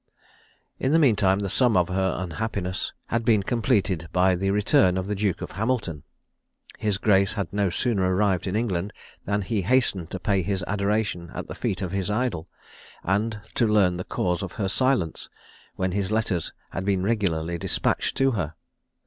In the mean time, the sum of her unhappiness had been completed by the return of the Duke of Hamilton. His grace had no sooner arrived in England, than he hastened to pay his adoration at the feet of his idol, and to learn the cause of her silence, when his letters had been regularly despatched to her.